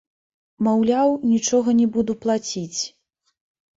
Маўляў, нічога не буду плаціць.